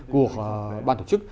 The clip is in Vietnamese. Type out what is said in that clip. của ban tổ chức